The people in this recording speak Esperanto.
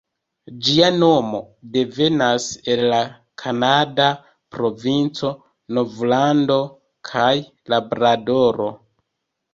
Ĝia nomo devenas el la kanada provinco Novlando kaj Labradoro.